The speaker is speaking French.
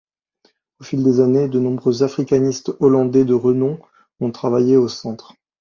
Au fil des années, de nombreux africanistes hollandais de renom ont travaillé au Centre.